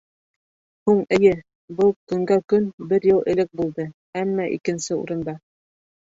Һуң эйе, был, көнгә көн, бер йыл элек булды, әммә икенсе урында...